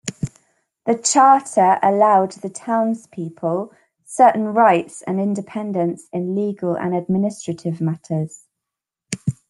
The charter allowed the townspeople certain rights and independence in legal and administrative matters.